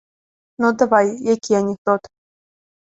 Ну давай, які анекдот?